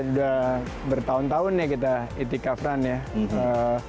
udah bertahun tahun ya kita itikafran ya